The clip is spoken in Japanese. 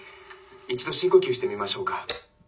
一度深呼吸してみましょうか」。